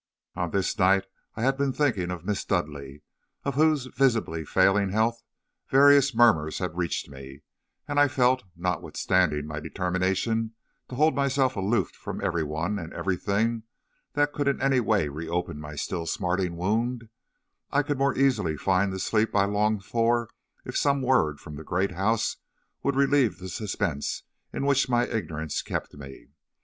"On this night I had been thinking of Miss Dudleigh, of whose visibly failing health various murmurs had reached me, and I felt, notwithstanding my determination to hold myself aloof from every one and everything that could in any way reopen my still smarting wound, I could more easily find the sleep I longed for if some word from the great house would relieve the suspense in which my ignorance kept me.